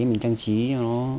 mình trang trí cho nó